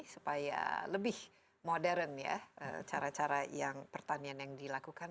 supaya lebih modern ya cara cara yang pertanian yang dilakukan